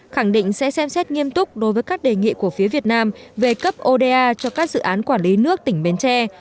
khẳng định sẽ xem xét nghiêm túc đối với các đề nghị của phía việt nam về cấp oda cho các dự án quản lý nước tỉnh bến tre